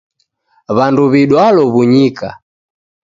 W'andu w'idwalo w'unyika